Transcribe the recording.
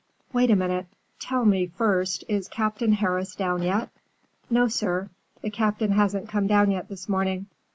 "Wait a minute. Tell me, first, is Captain Harris down yet?" "No, sir. The Captain hasn't come down yet this morning."